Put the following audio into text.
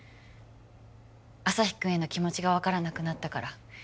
旭君への気持ちが分からなくなったから